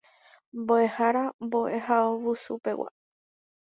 Mboʼehára Mboʼehaovusupegua.